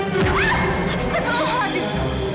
aku tak tahu fadil